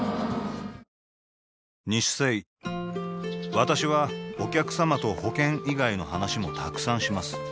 私はお客様と保険以外の話もたくさんします